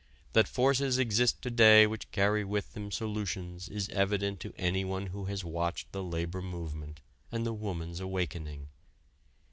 That forces exist to day which carry with them solutions is evident to anyone who has watched the labor movement and the woman's awakening.